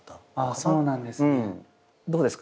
そうなんですね。